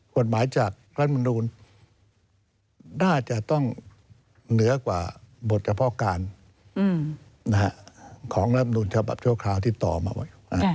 กฎหมายจากรัฐบุญดูลน่าจะต้องเหนือกว่าบทกภาคการของรัฐบุญดูลเฉพาะชั่วคราวที่ต่อมาไว้